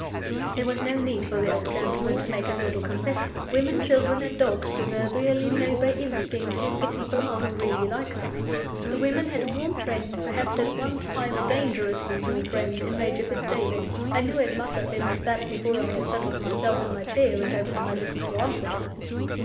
There was no need for the old gentleman to make his little confession. Women, children, and dogs proverbially know by instinct who the people are who really like them. The women had a warm friend perhaps at one time a dangerously warm friend in Major Fitz David. I knew as much of him as that before I had settled myself in my chair and opened my lips to answer him.